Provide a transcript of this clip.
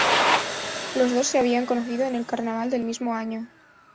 Los dos se habían conocido en el carnaval del mismo año.